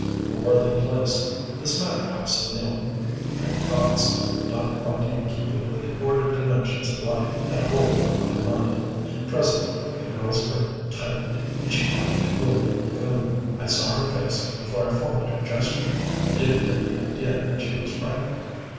A worthy place this manor house of Nealman. Vague thoughts, not quite in keeping with the ordered dimensions of life, had hold of my mind. Presently the girl's grip tightened, and she pointed toward the lagoon. I saw her face before I followed her gesture. I didn't get the idea that she was frightened.